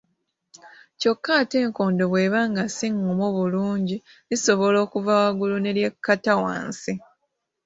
Kyokka ate enkondo bw'eba nga si ngumu bulungi, lisobola okuva waggulu ne lyekkata wansi.